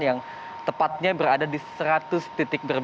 yang tepatnya berada di seratus